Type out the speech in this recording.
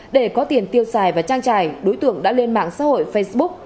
để có tiền tiêu xài và trang trải đối tượng đã lên mạng xã hội facebook